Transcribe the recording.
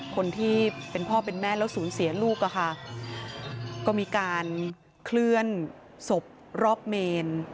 คนที่เป็นพ่อเป็นแม่แล้วสูญเสียลูกอะค่ะก็มีการเคลื่อนศพรอบเมน